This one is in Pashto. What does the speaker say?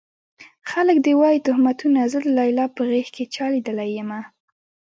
خلک دې وايي تُهمتونه زه د ليلا په غېږ کې چا ليدلی يمه